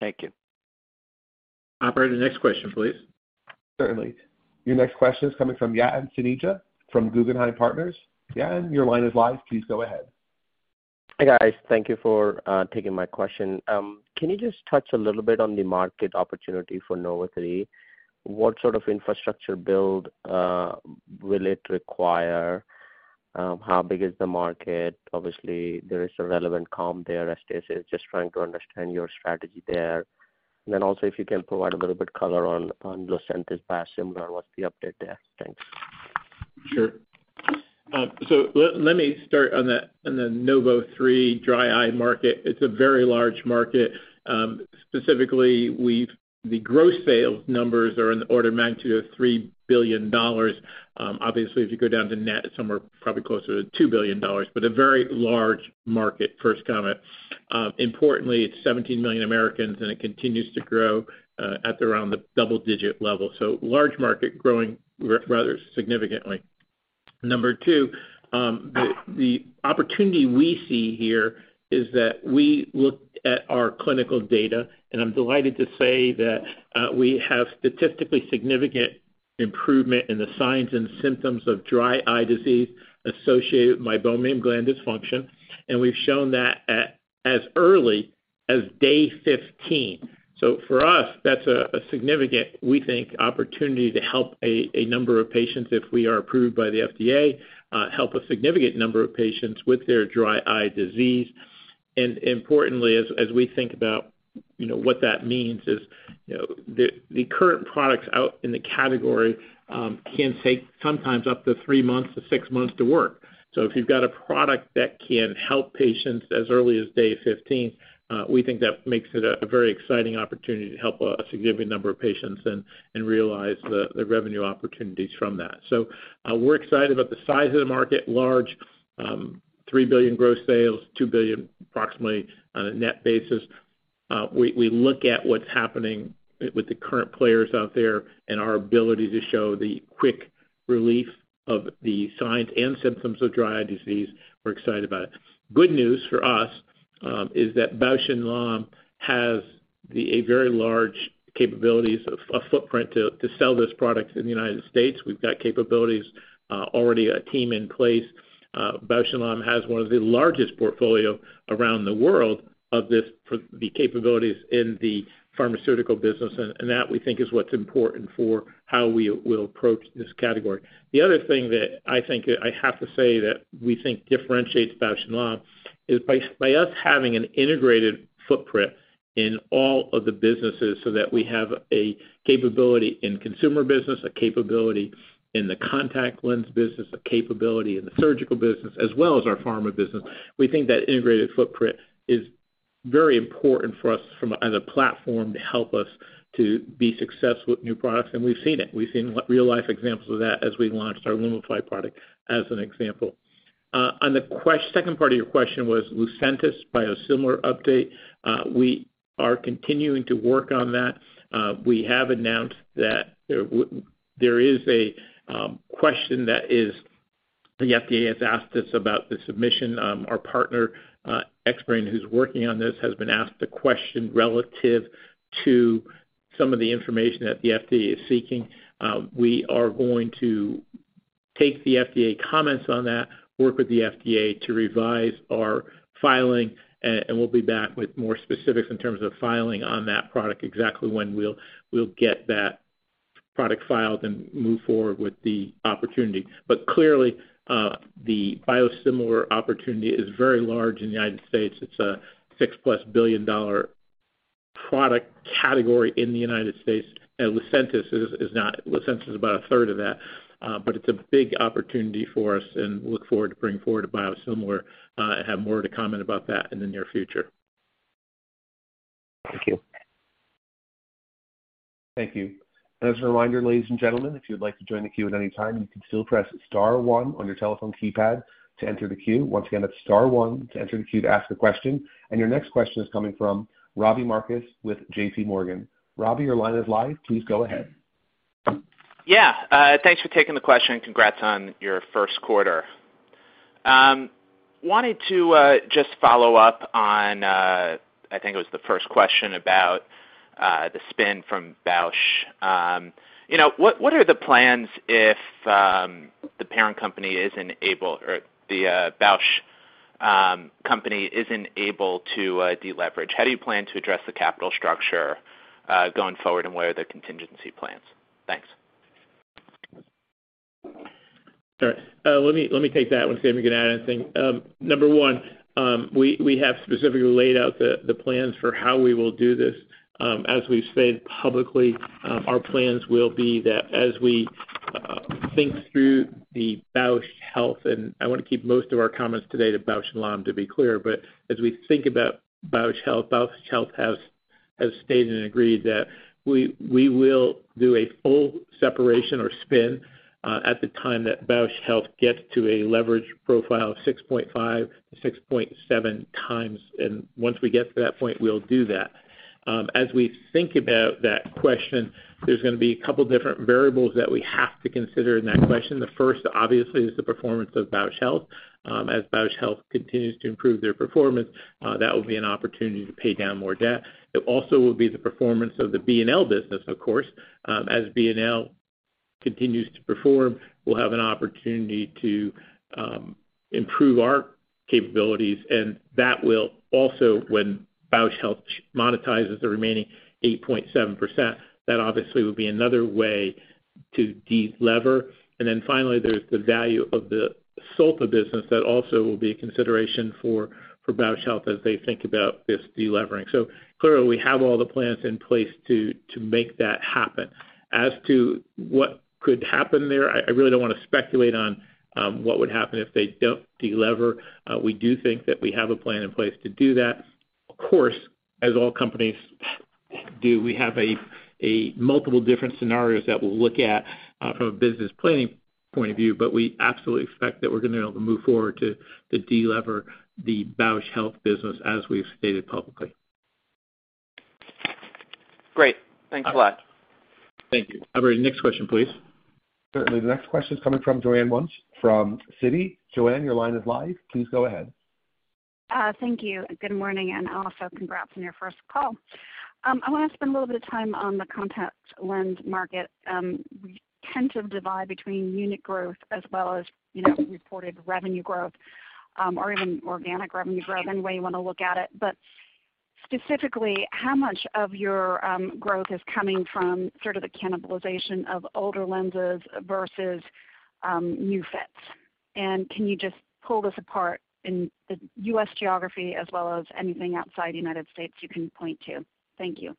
S3: Thank you.
S4: Operator, next question, please.
S1: Certainly. Your next question is coming from Yatin Suneja from Guggenheim Partners. Yatin, your line is live. Please go ahead. Hi, guys. Thank you for taking my question. Can you just touch a little bit on the market opportunity for NOV03? What sort of infrastructure build will it require? How big is the market? Obviously, there is a relevant comp there, Restasis, just trying to understand your strategy there. Also, if you can provide a little bit color on Lucentis biosimilar. What's the update there? Thanks.
S3: Sure. Let me start on the NOV03 dry eye market. It's a very large market. Specifically, the gross sales numbers are in the order of magnitude of $3 billion. Obviously, if you go down to net, it's somewhere probably closer to $2 billion, but a very large market, first comment. Importantly, it's 17 million Americans, and it continues to grow at around the double-digit level. Large market growing rather significantly. Number two, the opportunity we see here is that we looked at our clinical data, and I'm delighted to say that we have statistically significant improvement in the signs and symptoms of dry eye disease associated with meibomian gland dysfunction. We've shown that at as early as day 15. For us, that's a significant, we think, opportunity to help a number of patients if we are approved by the FDA, help a significant number of patients with their dry eye disease. Importantly, as we think about, you know, what that means is, you know, the current products out in the category can take sometimes up to three months to six months to work. If you've got a product that can help patients as early as day 15, we think that makes it a very exciting opportunity to help a significant number of patients and realize the revenue opportunities from that. We're excited about the size of the market, large, $3 billion gross sales, approximately $2 billion on a net basis. We look at what's happening with the current players out there and our ability to show the quick relief of the signs and symptoms of dry eye disease. We're excited about it. Good news for us is that Bausch + Lomb has a very large capabilities, a footprint to sell this product in the United States. We've got capabilities already a team in place. Bausch + Lomb has one of the largest portfolio around the world of this, for the capabilities in the pharmaceutical business, and that we think is what's important for how we will approach this category. The other thing that I think I have to say that we think differentiates Bausch + Lomb is by us having an integrated footprint in all of the businesses so that we have a capability in consumer business, a capability in the contact lens business, a capability in the surgical business, as well as our pharma business. We think that integrated footprint is very important for us as a platform to help us to be successful with new products, and we've seen it. We've seen real-life examples of that as we launched our LUMIFY product, as an example. On the second part of your question was Lucentis biosimilar update. We are continuing to work on that. We have announced that there is a question that the FDA has asked us about the submission. Our partner, Xbrane, who's working on this, has been asked a question relative to some of the information that the FDA is seeking. We are going to take the FDA comments on that, work with the FDA to revise our filing, and we'll be back with more specifics in terms of filing on that product, exactly when we'll get that product filed and move forward with the opportunity. Clearly, the biosimilar opportunity is very large in the United States. It's a $6+ billion product category in the United States, and Lucentis is not. Lucentis is about a third of that, but it's a big opportunity for us, and we look forward to bringing forward a biosimilar, and have more to comment about that in the near future.
S6: Thank you.
S1: Thank you. As a reminder, ladies and gentlemen, if you'd like to join the queue at any time, you can still press star one on your telephone keypad to enter the queue. Once again, that's star one to enter the queue to ask a question. Your next question is coming from Ravi Misra with J.P. Morgan. Ravi, your line is live. Please go ahead. Yeah. Thanks for taking the question. Congrats on your first quarter. Wanted to just follow up on, I think it was the first question about, the spin from Bausch. You know, what are the plans if the parent company isn't able or the Bausch company isn't able to deleverage? How do you plan to address the capital structure going forward, and what are the contingency plans? Thanks.
S3: All right. Let me take that one, see if you can add anything. Number one, we have specifically laid out the plans for how we will do this, as we've said publicly. Our plans will be that as we think through the Bausch Health, and I wanna keep most of our comments today to Bausch + Lomb, to be clear. As we think about Bausch Health, Bausch Health has stated and agreed that we will do a full separation or spin, at the time that Bausch Health gets to a leverage profile of 6.5-6.7 times. Once we get to that point, we'll do that. As we think about that question, there's gonna be a couple different variables that we have to consider in that question. The first, obviously, is the performance of Bausch Health. As Bausch Health continues to improve their performance, that will be an opportunity to pay down more debt. It also will be the performance of the B&L business, of course. As B&L continues to perform, we'll have an opportunity to improve our capabilities, and that will also when Bausch Health monetizes the remaining 8.7%, that obviously will be another way to de-lever. Finally, there's the value of the Salix business that also will be a consideration for Bausch Health as they think about this de-levering. Clearly, we have all the plans in place to make that happen. As to what could happen there, I really don't wanna speculate on what would happen if they don't de-lever. We do think that we have a plan in place to do that. Of course, as all companies do, we have multiple different scenarios that we'll look at from a business planning point of view, but we absolutely expect that we're gonna be able to move forward to de-lever the Bausch Health business as we've stated publicly.
S6: Great. Thanks a lot.
S3: Thank you.
S1: Operator, next question, please. Certainly. The next question is coming from Joanne Wuensch from Citi. Joanne, your line is live. Please go ahead. Thank you. Good morning, and also congrats on your first call. I wanna spend a little bit of time on the contact lens market. We tend to divide between unit growth as well as, you know, reported revenue growth, or even organic revenue growth, any way you wanna look at it. Specifically, how much of your growth is coming from sort of the cannibalization of older lenses versus new fits? And can you just pull this apart in the U.S. geography as well as anything outside the United States you can point to? Thank you.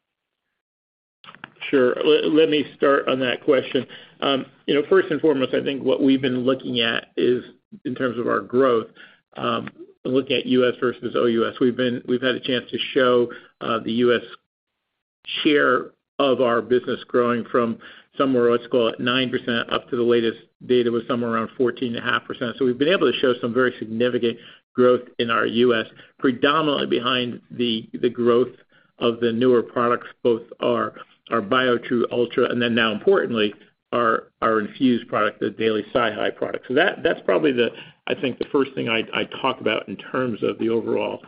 S3: Sure. Let me start on that question. You know, first and foremost, I think what we've been looking at is in terms of our growth, looking at U.S. versus OUS, we've had a chance to show the U.S. share of our business growing from somewhere, let's call it 9% up to the latest data was somewhere around 14.5%. We've been able to show some very significant growth in our U.S., predominantly behind the growth of the newer products, both our Biotrue ONEday, and then now importantly, our INFUSE product, the daily SiHy product. That's probably, I think, the first thing I'd talk about in terms of the overall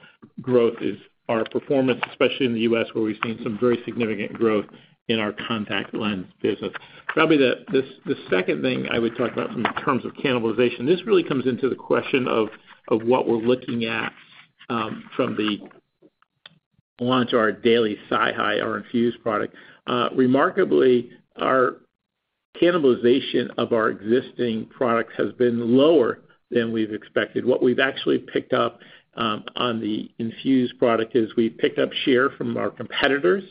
S3: growth is our performance, especially in the U.S., where we've seen some very significant growth in our contact lens business. Probably the second thing I would talk about in terms of cannibalization, this really comes into the question of what we're looking at from the launch of our Daily SiHy, our INFUSE product. Remarkably, our cannibalization of our existing products has been lower than we've expected. What we've actually picked up on the INFUSE product is we picked up share from our competitors,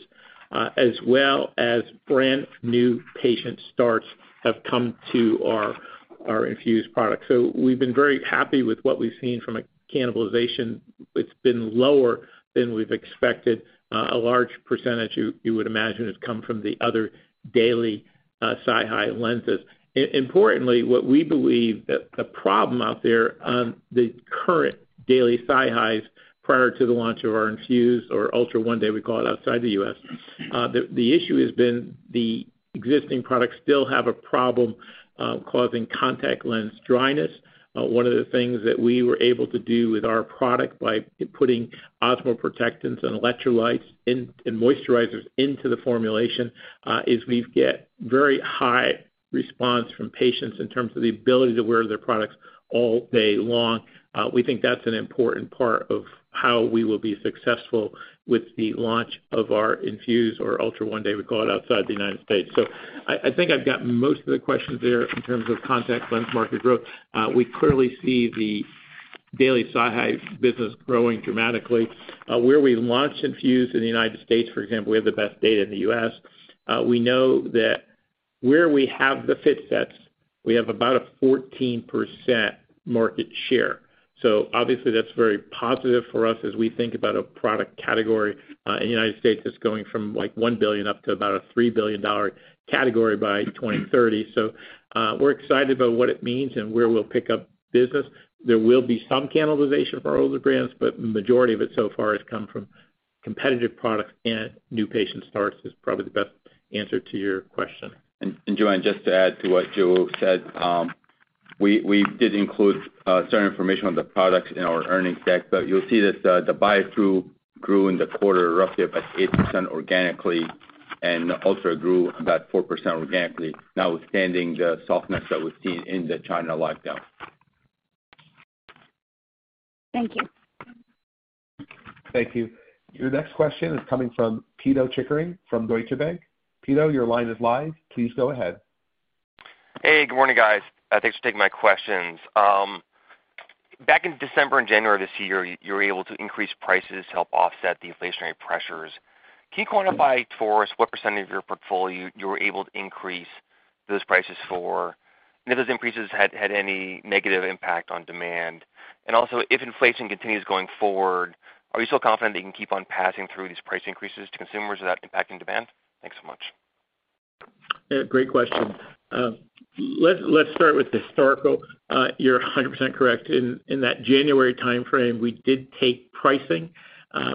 S3: as well as brand new patient starts have come to our INFUSE product. We've been very happy with what we've seen from a cannibalization. It's been lower than we've expected. A large percentage, you would imagine, has come from the other Daily SiHy lenses. Importantly, what we believe the problem out there on the current daily SiHy prior to the launch of our INFUSE or ULTRA ONE DAY, we call it outside the U.S., the issue has been the existing products still have a problem causing contact lens dryness. One of the things that we were able to do with our product by putting osmoprotectants and electrolytes in and moisturizers into the formulation is we've got very high response from patients in terms of the ability to wear their products all day long. We think that's an important part of how we will be successful with the launch of our INFUSE or ULTRA ONE DAY, we call it outside the United States. I think I've got most of the questions there in terms of contact lens market growth. We clearly see the daily SiHy business growing dramatically. Where we've launched INFUSE in the United States, for example, we have the best data in the US. We know that where we have the fit sets, we have about a 14% market share. Obviously that's very positive for us as we think about a product category in the United States that's going from like $1 billion up to about a $3 billion category by 2030. We're excited about what it means and where we'll pick up business. There will be some cannibalization of our older brands, but majority of it so far has come from competitive products and new patient starts is probably the best answer to your question.
S4: Joanne, just to add to what Joe said, we did include certain information on the products in our earnings deck, but you'll see that the Biotrue grew in the quarter roughly about 8% organically, and ULTRA grew about 4% organically, notwithstanding the softness that we've seen in the China lockdown.
S7: Thank you.
S1: Thank you. Your next question is coming from Pito Chickering from Deutsche Bank.Pito, your line is live. Please go ahead. Hey, good morning, guys. Thanks for taking my questions. Back in December and January this year, you were able to increase prices to help offset the inflationary pressures. Can you quantify for us what percentage of your portfolio you were able to increase those prices for? And if those increases had any negative impact on demand? And also, if inflation continues going forward, are you still confident that you can keep on passing through these price increases to consumers without impacting demand? Thanks so much.
S3: Yeah, great question. Let's start with historical. You're 100% correct. In that January timeframe, we did take pricing.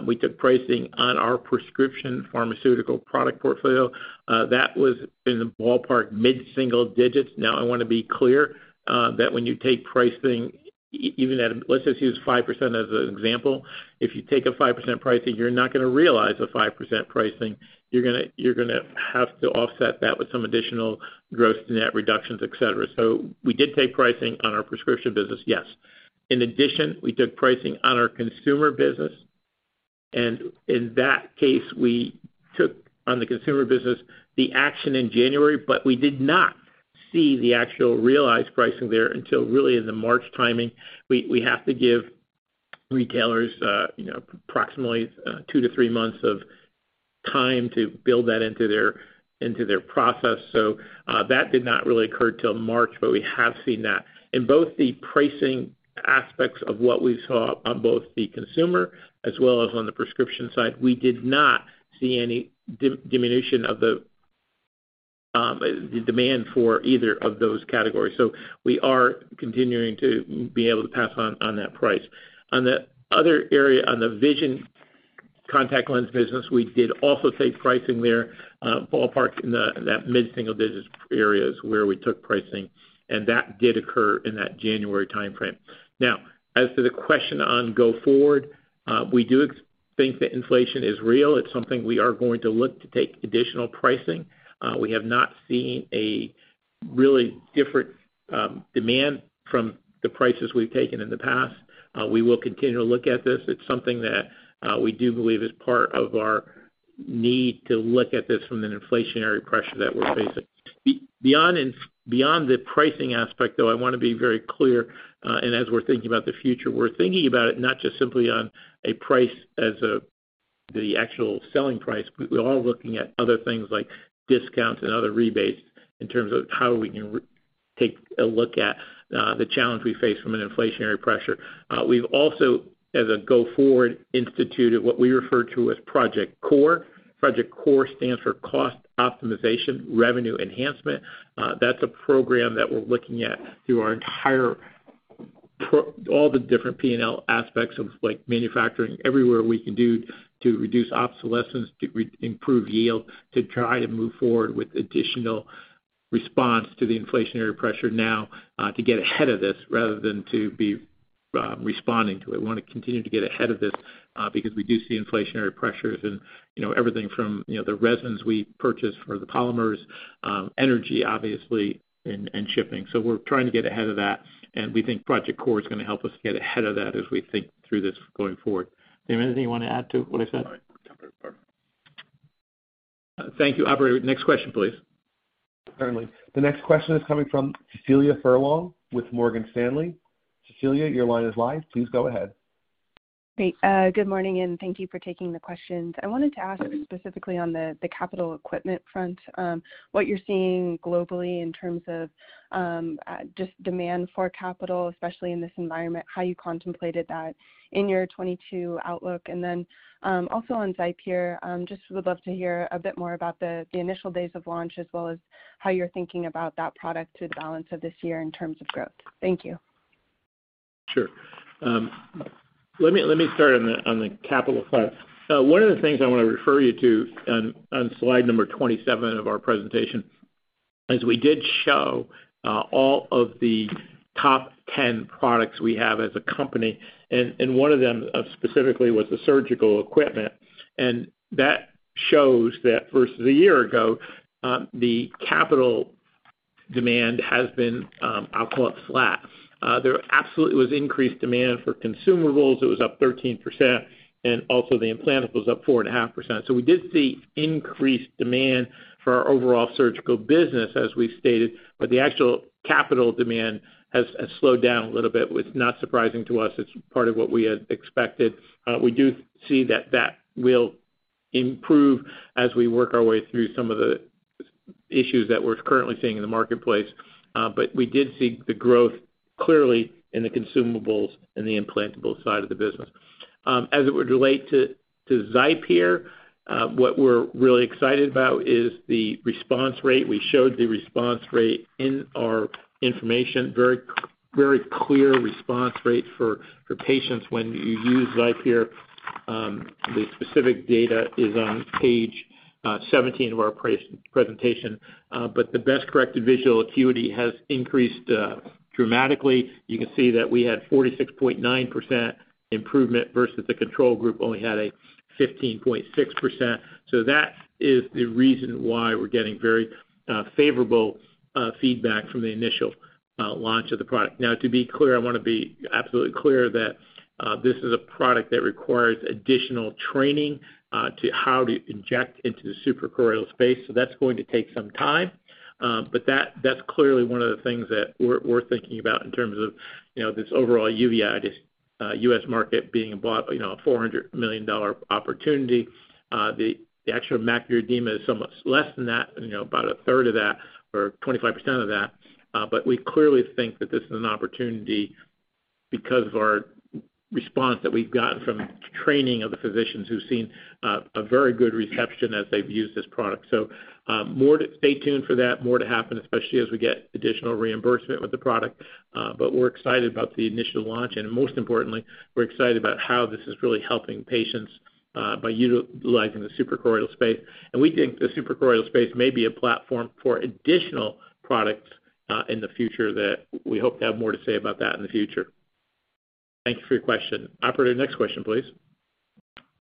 S3: We took pricing on our prescription pharmaceutical product portfolio. That was in the ballpark mid-single digits. Now, I wanna be clear that when you take pricing even at, let's just use 5% as an example. If you take a 5% pricing, you're not gonna realize a 5% pricing. You're gonna have to offset that with some additional gross net reductions, et cetera. We did take pricing on our prescription business, yes. In addition, we took pricing on our consumer business, and in that case, we took on the consumer business the action in January, but we did not see the actual realized pricing there until really in the March timing. tWe have to give retailers approximately two to three months of time to build that into their process. That did not really occur till March, but we have seen that. In both the pricing aspects of what we saw on both the consumer as well as on the prescription side, we did not see any diminution of the demand for either of those categories. We are continuing to be able to pass on that price. On the other area, on the vision contact lens business, we did also take pricing there, ballpark in the mid-single digits areas where we took pricing, and that did occur in that January timeframe. Now, as to the question on going forward, we do think that inflation is real. It's something we are going to look to take additional pricing. We have not seen a really different demand from the prices we've taken in the past. We will continue to look at this. It's something that we do believe is part of our need to look at this from an inflationary pressure that we're facing. Beyond the pricing aspect, though, I wanna be very clear, and as we're thinking about the future, we're thinking about it not just simply on a price as the actual selling price, but we're also looking at other things like discounts and other rebates in terms of how we can take a look at the challenge we face from an inflationary pressure. We've also, going forward, instituted what we refer to as Project CORE. Project CORE stands for Cost Optimization and Revenue Enhancement. That's a program that we're looking at through our entire all the different P&L aspects of like manufacturing, everywhere we can do to reduce obsolescence, to improve yield, to try to move forward with additional response to the inflationary pressure now, to get ahead of this rather than to be responding to it. We wanna continue to get ahead of this, because we do see inflationary pressures and, you know, everything from, you know, the resins we purchase for the polymers, energy obviously, and shipping. We're trying to get ahead of that, and we think Project CORE is gonna help us get ahead of that as we think through this going forward. Sam, anything you wanna add to what I said?
S4: No. I'm perfect.
S3: Thank you. Operator, next question, please.
S1: Certainly. The next question is coming from Cecilia Furlong with Morgan Stanley. Cecilia, your line is live. Please go ahead. Great. Good morning, and thank you for taking the questions. I wanted to ask specifically on the capital equipment front, what you're seeing globally in terms of just demand for capital, especially in this environment, how you contemplated that in your 2022 outlook. Also on XIPERE, just would love to hear a bit more about the initial days of launch as well as how you're thinking about that product through the balance of this year in terms of growth. Thank you.
S3: Sure. Let me start on the capital front. One of the things I want to refer you to on slide number 27 of our presentation is we did show all of the top 10 products we have as a company, and one of them specifically was the surgical equipment. That shows that versus a year ago, the capital demand has been, I'll call it flat. There absolutely was increased demand for consumables. It was up 13%, and also the implantables was up 4.5%. We did see increased demand for our overall surgical business as we stated, but the actual capital demand has slowed down a little bit, which is not surprising to us. It's part of what we had expected. We do see that that will improve as we work our way through some of the issues that we're currently seeing in the marketplace. We did see the growth clearly in the consumables and the implantable side of the business. As it would relate to XIPERE, what we're really excited about is the response rate. We showed the response rate in our information, very, very clear response rate for patients when you use XIPERE. The specific data is on page 17 of our presentation. The best corrected visual acuity has increased dramatically. You can see that we had 46.9% improvement versus the control group only had a 15.6%. That is the reason why we're getting very favorable feedback from the initial launch of the product. Now to be clear, I wanna be absolutely clear that this is a product that requires additional training to how to inject into the suprachoroidal space, so that's going to take some time. That's clearly one of the things that we're thinking about in terms of, you know, this overall uveitis US market being about, you know, a $400 million opportunity. The actual macular edema is so much less than that, you know, about a third of that or 25% of that. We clearly think that this is an opportunity because of our response that we've gotten from training of the physicians who've seen a very good reception as they've used this product. More to stay tuned for that, more to happen, especially as we get additional reimbursement with the product, but we're excited about the initial launch. Most importantly, we're excited about how this is really helping patients, by utilizing the suprachoroidal space. We think the suprachoroidal space may be a platform for additional products, in the future that we hope to have more to say about that in the future. Thank you for your question. Operator, next question, please.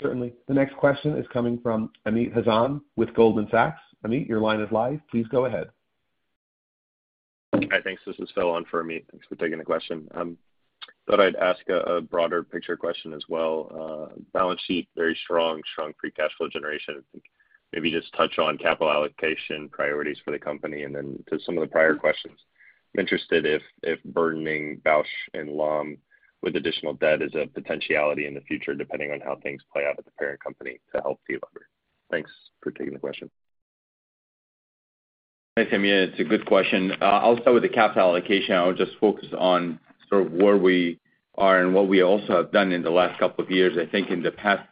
S1: Certainly. The next question is coming from Philip Hazan with Goldman Sachs. Phil, your line is live. Please go ahead. Hi. Thanks. This is Phil on for Phil. Thanks for taking the question. Thought I'd ask a broader picture question as well. Balance sheet, very strong free cash flow generation. I think maybe just touch on capital allocation priorities for the company and then to some of the prior questions. I'm interested if burdening Bausch + Lomb with additional debt is a potentiality in the future, depending on how things play out at the parent company to help feel better. Thanks for taking the question.
S4: Thanks, Phil. It's a good question. I'll start with the capital allocation. I would just focus on sort of where we are and what we also have done in the last couple of years. I think in the past,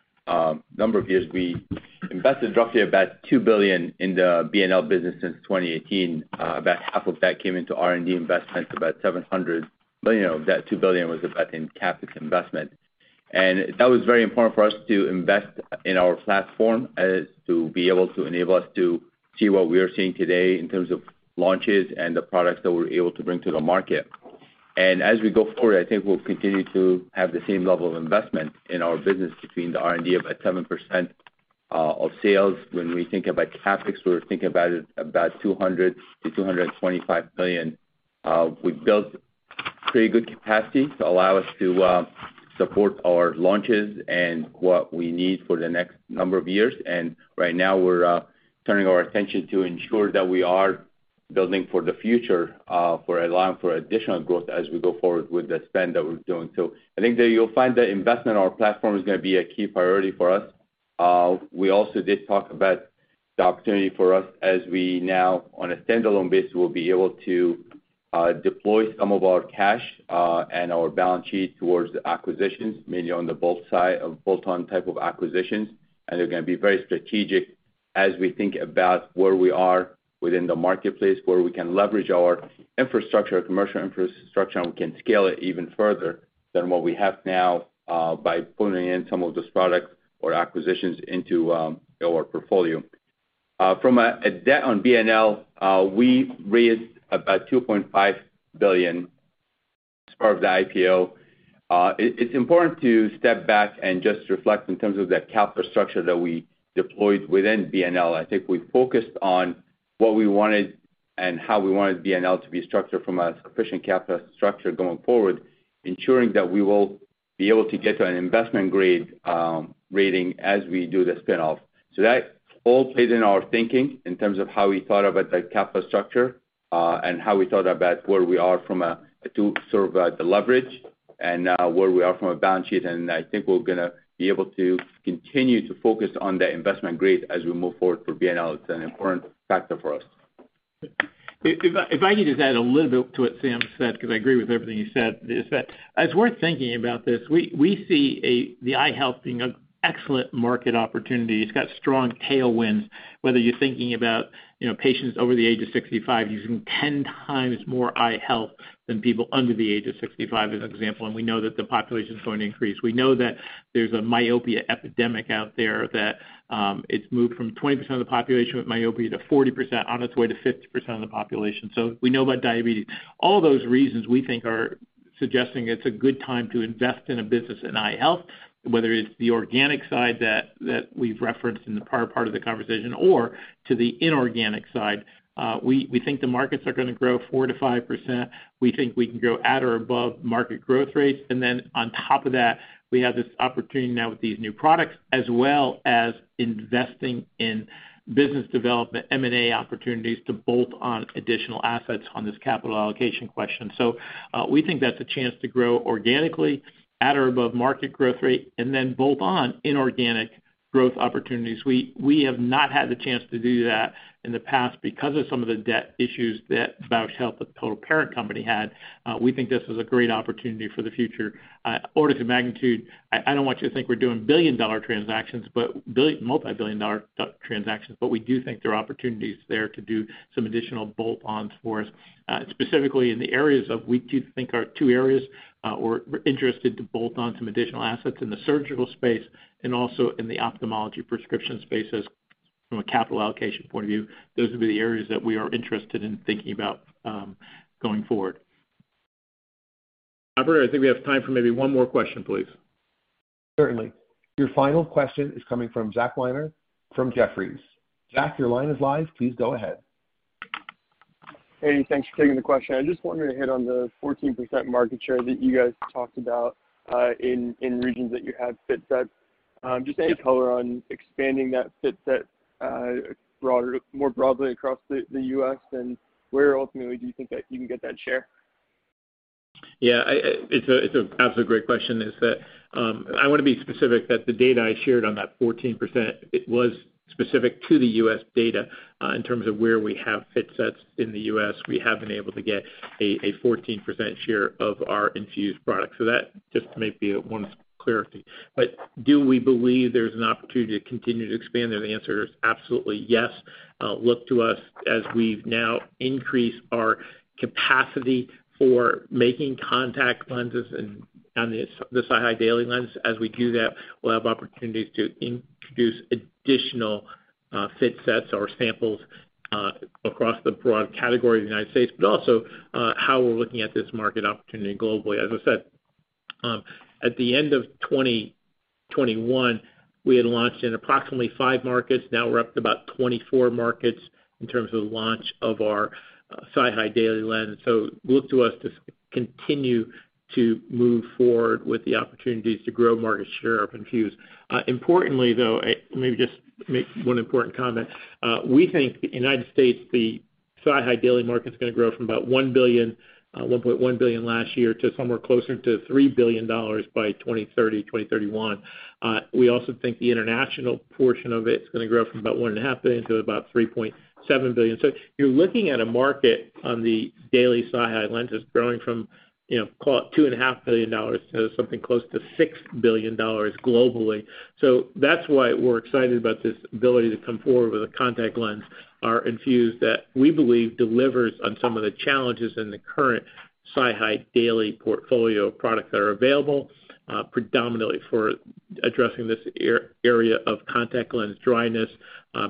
S4: number of years, we invested roughly about $2 billion in the B&L business since 2018. About half of that came into R&D investments, about $700 million of that $2 billion was about in CapEx investment. That was very important for us to invest in our platform as to be able to enable us to see what we are seeing today in terms of launches and the products that we're able to bring to the market. As we go forward, I think we'll continue to have the same level of investment in our business between the R&D of at 7% of sales. When we think about CapEx, we're thinking about it about $200 million-$225 million. We built pretty good capacity to allow us to support our launches and what we need for the next number of years. Right now, we're turning our attention to ensure that we are building for the future, for allowing for additional growth as we go forward with the spend that we're doing. I think that you'll find that investment in our platform is gonna be a key priority for us. We also did talk about the opportunity for us as we now, on a standalone basis, will be able to deploy some of our cash and our balance sheet towards the acquisitions, mainly on the bolt side of bolt-on type of acquisitions. They're gonna be very strategic as we think about where we are within the marketplace, where we can leverage our infrastructure, commercial infrastructure, and we can scale it even further than what we have now, by pulling in some of these products or acquisitions into our portfolio. From a debt standpoint on B&L, we raised about $2.5 billion as part of the IPO. It's important to step back and just reflect in terms of the capital structure that we deployed within B&L. I think we focused on what we wanted and how we wanted B&L to be structured from a sufficient capital structure going forward, ensuring that we will be able to get to an investment grade rating as we do the spin-off. That all plays in our thinking in terms of how we thought about the capital structure, and how we thought about where we are from a leverage and where we are from a balance sheet. I think we're gonna be able to continue to focus on the investment-grade as we move forward for B&L. It's an important factor for us.
S3: If I could just add a little bit to what Sam said, because I agree with everything you said, is that as we're thinking about this, we see the eye health being an excellent market opportunity. It's got strong tailwinds, whether you're thinking about, you know, patients over the age of 65 using 10 times more eye health than people under the age of 65, as an example, and we know that the population is going to increase. We know that there's a myopia epidemic out there that it's moved from 20% of the population with myopia to 40%, on its way to 50% of the population. We know about diabetes. All those reasons we think are suggesting it's a good time to invest in a business in eye health, whether it's the organic side that we've referenced in the prior part of the conversation or to the inorganic side. We think the markets are gonna grow 4%-5%. We think we can grow at or above market growth rates. On top of that, we have this opportunity now with these new products, as well as investing in business development, M&A opportunities to bolt on additional assets on this capital allocation question. We think that's a chance to grow organically at or above market growth rate, and then bolt on inorganic growth opportunities. We have not had the chance to do that in the past because of some of the debt issues that Bausch Health, the total parent company, had. We think this is a great opportunity for the future. Order of magnitude, I don't want you to think we're doing billion-dollar transactions, but multi-billion-dollar transactions, but we do think there are opportunities there to do some additional bolt-ons for us, specifically in the areas that we do think are two areas, we're interested to bolt on some additional assets in the surgical space and also in the ophthalmology prescription spaces from a capital allocation point of view. Those would be the areas that we are interested in thinking about, going forward. Robert, I think we have time for maybe one more question, please.
S1: Certainly. Your final question is coming from Young Li from Jefferies. Zach, your line is live. Please go ahead. Hey, thanks for taking the question. I just wanted to hit on the 14% market share that you guys talked about in regions that you have fit sets. Just any color on expanding that fit set broader, more broadly across the U.S. and where ultimately do you think that you can get that share?
S3: It's an absolutely great question. I want to be specific that the data I shared on that 14%, it was specific to the US data, in terms of where we have fit sets in the US. We have been able to get a 14% share of our INFUSE product. That just may be one clarity. Do we believe there's an opportunity to continue to expand? The answer is absolutely yes. Look to us as we've now increased our capacity for making contact lenses and the SiHy Daily lens. As we do that, we'll have opportunities to introduce additional fit sets or samples across the broad category of the United States, but also how we're looking at this market opportunity globally. As I said, at the end of 2021, we had launched in approximately 5 markets. Now we're up to about 24 markets in terms of the launch of our SiHy Daily lens. Look to us to continue to move forward with the opportunities to grow market share of INFUSE. Importantly, though, maybe just make one important comment. We think United States, the SiHy Daily market is gonna grow from about $1 billion, $1.1 billion last year to somewhere closer to $3 billion by 2030, 2031. We also think the international portion of it is gonna grow from about $1.5 billion to about $3.7 billion. You're looking at a market on the daily SiHy lenses growing from, you know, $2.5 billion to something close to $6 billion globally. That's why we're excited about this ability to come forward with a contact lens, our INFUSE, that we believe delivers on some of the challenges in the current SiHy Daily portfolio of products that are available, predominantly for addressing this area of contact lens dryness,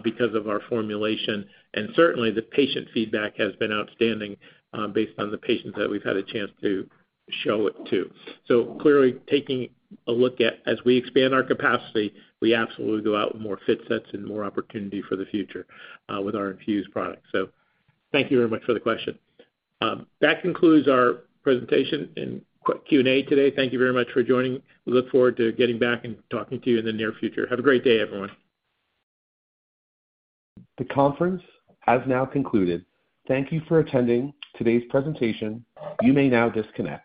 S3: because of our formulation. Certainly, the patient feedback has been outstanding, based on the patients that we've had a chance to show it to. Clearly, taking a look at as we expand our capacity, we absolutely go out with more fit sets and more opportunity for the future, with our INFUSE product. Thank you very much for the question. That concludes our presentation and Q&A today. Thank you very much for joining. We look forward to getting back and talking to you in the near future. Have a great day, everyone.
S1: The conference has now concluded. Thank you for attending today's presentation. You may now disconnect.